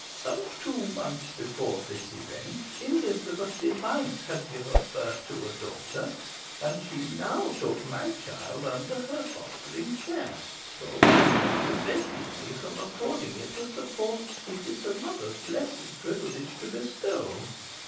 Some two months before this event Elizabeth Device had given birth to a daughter, and she now took my child under her fostering care; for weakness prevented me from affording it the support it is a mother's blessed privilege to bestow.